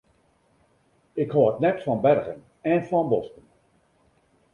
Ik hâld net fan bergen en fan bosken.